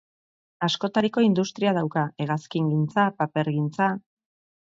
Askotariko industria dauka: hegazkingintza, papergintza.